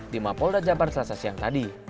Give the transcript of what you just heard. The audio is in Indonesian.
di mapolda jabar selasa siang tadi